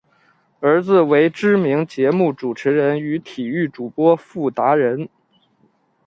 儿子为知名节目主持人与体育主播傅达仁。